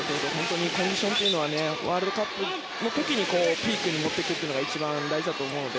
本当にコンディションはワールドカップの時にピークに持っていくことが一番大事だと思うので。